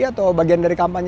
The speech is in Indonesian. atau bagian dari kampanye